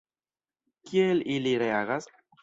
Kiel ili reagas?